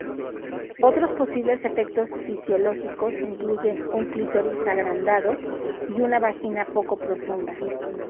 Otros posibles efectos fisiológicos incluyen un clítoris agrandado y una vagina poco profunda.